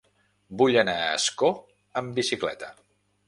Vull anar a Ascó amb bicicleta.